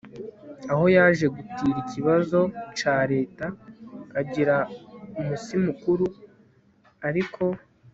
Aho yaje gutira ikibazo ca Leta… Agira umusimukuru ariko